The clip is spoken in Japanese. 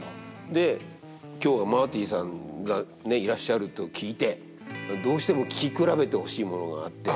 で今日はマーティさんがいらっしゃると聞いてどうしても聞き比べてほしいものがあって。